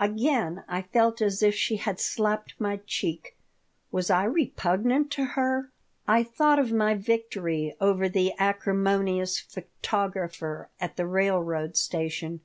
Again I felt as if she had slapped my cheek. Was I repugnant to her? I thought of my victory over the acrimonious photographer at the railroad station.